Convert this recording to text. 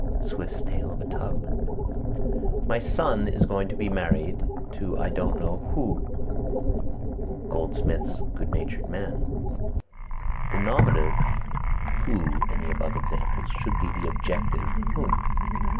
Swift's Tale of a Tub. "My son is going to be married to I don't know who." Goldsmith's Good natured Man. The nominative who in the above examples should be the objective whom.